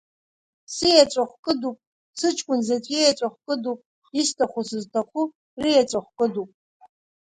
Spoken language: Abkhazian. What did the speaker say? Сиеҵәахә кыдуп, сыҷкәын заҵә иеҵәахә кыдуп, исҭаху сызҭаху риеҵәахә кыдуп!